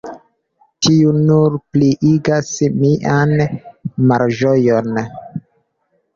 Tio nur pliigas mian malĝojon.